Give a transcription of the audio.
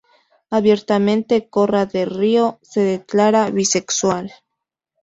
Abiertamente, Korra del Rio se declara bisexual.